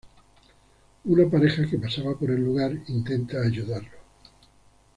Una pareja que pasaba por el lugar intenta ayudarlo.